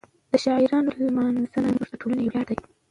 د شاعرانو لمانځنه زموږ د ټولنې ویاړ دی.